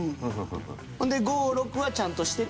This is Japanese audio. ほんで５６はちゃんとしてて。